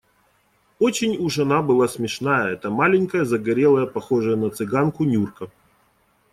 Очень уж она была смешная, эта маленькая, загорелая, похожая на цыганку Нюрка.